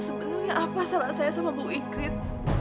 sebenarnya apa salah saya sama bu ingrid